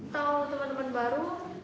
tau temen temen baru